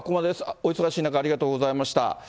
お忙しい中、ありがとうございました。